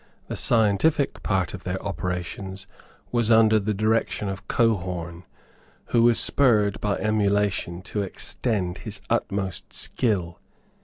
The scientific part of their operations was under the direction of Cohorn, who was spurred by emulation to exert his utmost skill.